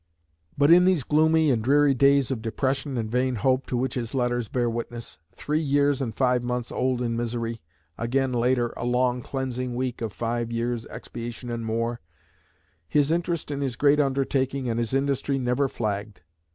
But in these gloomy and dreary days of depression and vain hope to which his letters bear witness "three years and five months old in misery," again later, "a long cleansing week of five years' expiation and more" his interest in his great undertaking and his industry never flagged.